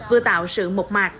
vừa tạo sự mộc mạc